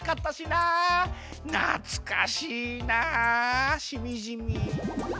なつかしいなしみじみ。